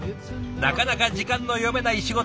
なかなか時間の読めない仕事。